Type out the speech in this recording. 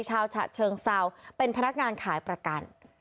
ฉะเชิงเซาเป็นพนักงานขายประกัน